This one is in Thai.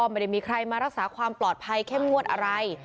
ไม่ได้มีใครมารักษาความปลอดภัยเข้มงวดอะไร